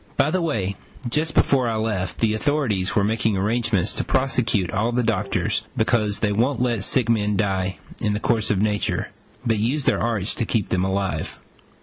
By the way, just before I left, the authorities were making arrangements to prosecute all the doctors, because they won't let sick men die in the course of nature, but use their arts to keep them alive.